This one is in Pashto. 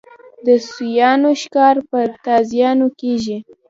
د سویانو ښکار په تازیانو کېږي.